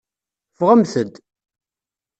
Ffɣemt-d.